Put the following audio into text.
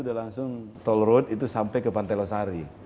udah langsung tol road itu sampai ke pantai losari